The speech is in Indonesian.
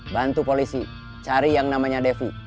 bantu polisi cari yang namanya devi